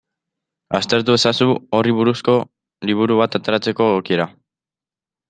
Aztertu ezazu horri buruzko liburu bat ateratzeko egokiera.